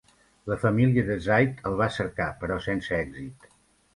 La família de Zayd el va cercar, però sense èxit.